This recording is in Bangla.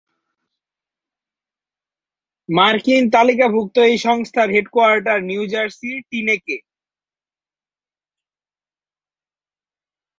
মার্কিন তালিকাভুক্ত এই সংস্থার হেড কোয়ার্টার নিউ জার্সির টিনেকে।